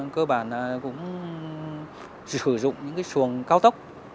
cơ bản cũng sử dụng những xuồng cao tốc